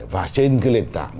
và trên cái lền tảng